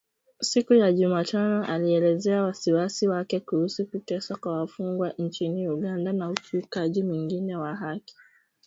siku ya Jumatano alielezea wasiwasi wake kuhusu kuteswa kwa wafungwa nchini Uganda na ukiukwaji mwingine wa haki